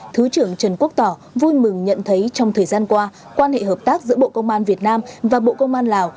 thứ trưởng trần quốc tỏ vui mừng nhận thấy trong thời gian qua quan hệ hợp tác giữa bộ công an việt nam và bộ công an lào